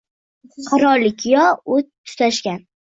Qarolik yo o’t tutashgan